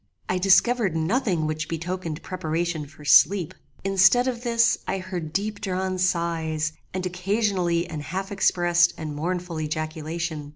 I discovered nothing which betokened preparation for sleep. Instead of this I heard deep drawn sighs, and occasionally an half expressed and mournful ejaculation.